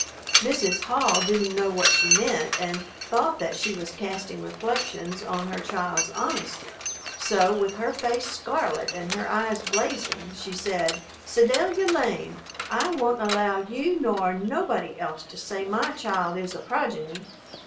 Mrs. Hall didn't know what she meant and thought that she was casting reflections on her child's honesty, so with her face scarlet and her eyes blazing she said, "Sedalia Lane, I won't allow you nor nobody else to say my child is a progeny.